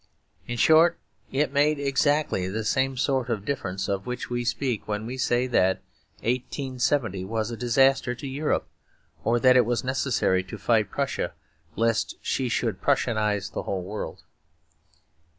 In short, it made exactly the same sort of difference of which we speak when we say that 1870 was a disaster to Europe, or that it was necessary to fight Prussia lest she should Prussianise the whole world.